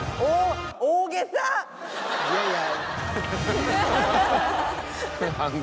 いやいや。